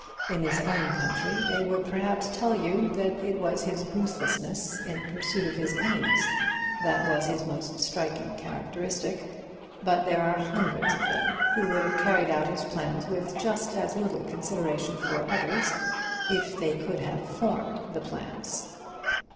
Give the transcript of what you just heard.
In his own country they would perhaps tell you that it was his ruthlessness in pursuit of his aims that was his most striking characteristic; but there are hundreds of them who would have carried out his plans with just as little consideration for others if they could have formed the plans.